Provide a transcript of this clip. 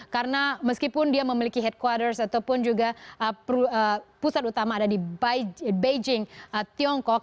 karena meskipun dia memiliki headquarters ataupun juga pusat utama ada di beijing tiongkok